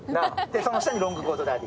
その下にロングコートダディ。